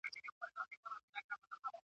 ستا په صبر کي بڅری د پېغور دی !.